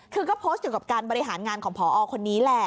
คือก็โพสต์เกี่ยวกับการบริหารงานของพอคนนี้แหละ